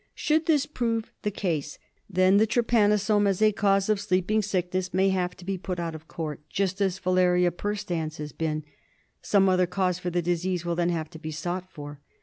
Should this prove to be the case, then the trypanosome as a cause of Sleeping Sickness may have to be put out of court, just as Filaria perstans has been. Some other cause for the disease will then have to be sought for.